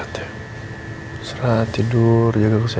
tiada yang di bandingkai